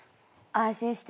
安心して。